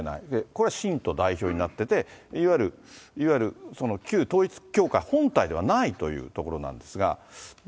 これ信徒代表になってて、いわゆる旧統一教会本体ではないというところなんですが。